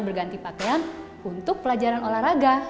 berganti pakaian untuk pelajaran olahraga